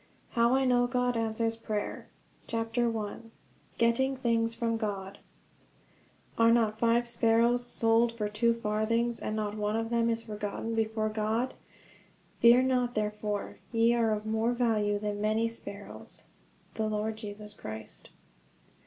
Bible study on "The Life of Victory in Christ" 131 I "GETTING THINGS FROM GOD" "Are not five sparrows sold for two farthings, and not one of them is forgotten before God? ... Fear not therefore: ye are of more value than many sparrows." _The Lord Jesus Christ.